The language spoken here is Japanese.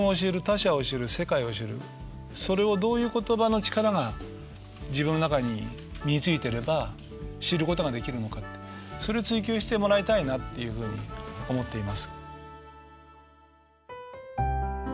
それをどういう言葉の力が自分の中に身についてれば知ることができるのかってそれ追求してもらいたいなっていうふうに思っています。